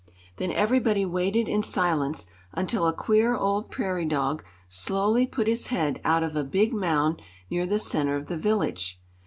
Then everybody waited in silence until a queer old prairie dog slowly put his head out of a big mound near the center of the village.